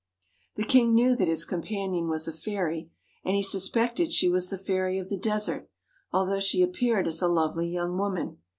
The king knew that his companion was a fairy, and he suspected she was the Fairy of the Desert, although she appeared as a lovely young woman.